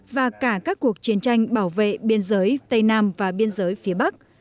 và cả các cuộc chiến tranh bảo vệ biên giới tây nam và biên giới phía bắc